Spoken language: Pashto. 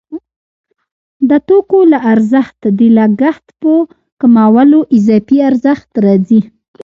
د توکو له ارزښت د لګښت په کمولو اضافي ارزښت راځي